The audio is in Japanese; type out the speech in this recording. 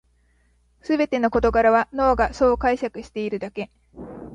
すべての事柄は脳がそう解釈しているだけ